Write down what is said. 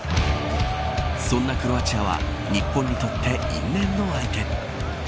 そんなクロアチアは日本にとって因縁の相手。